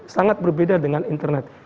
sangat berbeda dengan internet